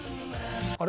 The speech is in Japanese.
あれ？